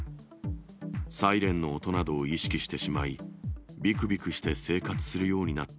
サイレンの音などを意識してしまい、びくびくして生活するようになった。